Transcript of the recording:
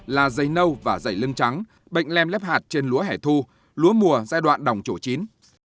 là dây nâu và dày lưng trắng bệnh lem lép hạt trên lúa hẻ thu lúa mùa giai đoạn đồng chỗ chín